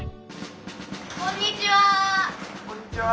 こんにちは！